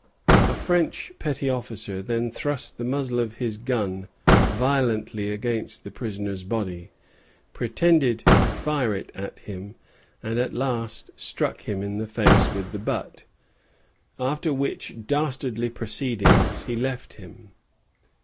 A French petty officer then thrust the muzzle of his gun violently against the prisoner's body, pretended to fire it at him, and at last struck him in the face with the butt; after which dastardly proceeding he left him.